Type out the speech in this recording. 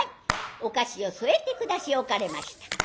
お菓子を添えて下し置かれました。